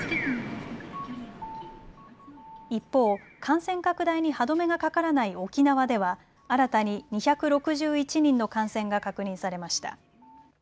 一方、感染拡大に歯止めがかからない沖縄では新たに２６１人の感染が確認されました。